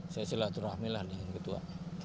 saya silaturahmi dengan ketua